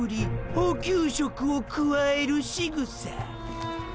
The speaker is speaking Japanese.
補給食をくわえるしぐさ。